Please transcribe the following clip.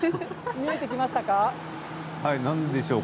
見えてきましたか。